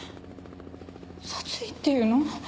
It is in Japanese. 殺意っていうの？